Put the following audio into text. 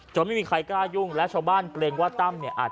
ไม่มีใครกล้ายุ่งและชาวบ้านเกรงว่าตั้มเนี่ยอาจ